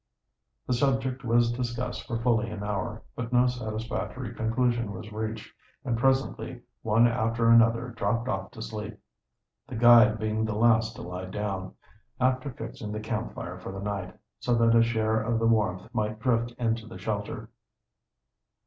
The subject was discussed for fully an hour, but no satisfactory conclusion was reached, and presently one after another dropped off to sleep; the guide being the last to lie down, after fixing the camp fire for the night, so that a share of the warmth might drift into the shelter.